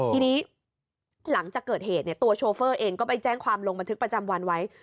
ทีนี้หลังจากเกิดเหตุตัวโชเฟอร์เองก็ไปแจ้งความลงบันทึกประจำวันไว้